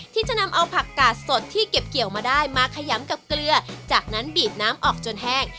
ที่จะนำเอาผักกาดสดที่เก็บเกี่ยวมาได้มาขยำกับเกลือจากนั้นบีบน้ำออกจนแห้ง